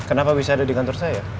kenapa bisa ada di kantor saya